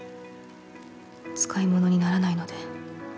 「使い物にならないので」